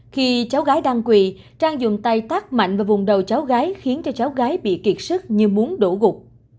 khi cháu gái đang quỳ trang dùng tay tắt mạnh vào vùng đầu cháu gái khiến cho cháu gái bị kiệt sức như muốn đổ gục